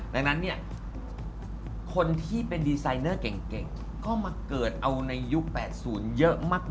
ดังนั้นเนี่ยคนที่เป็นดีไซเนอร์เก่งก็มาเกิดเอาในยุค๘๐เยอะมาก